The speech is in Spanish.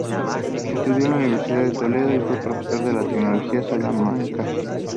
Estudió en la Universidad de Toledo y fue profesor de Teología en Salamanca.